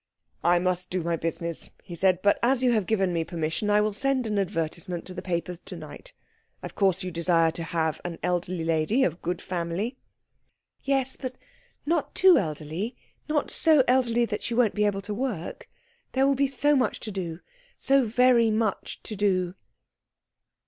"I must do my business," he said, "but as you have given me permission I will send an advertisement to the papers to night. Of course you desire to have an elderly lady of good family?" "Yes, but not too elderly not so elderly that she won't be able to work. There will be so much to do, so very much to do."